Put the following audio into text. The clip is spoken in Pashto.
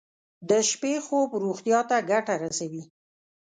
د شپې خوب روغتیا ته ګټه رسوي.